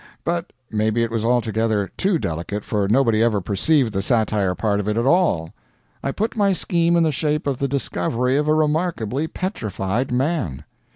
But maybe it was altogether too delicate, for nobody ever perceived the satire part of it at all. I put my scheme in the shape of the discovery of a remarkably petrified man.